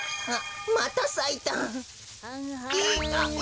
あっ！